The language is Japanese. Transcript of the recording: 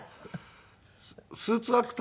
スーツアクターの方。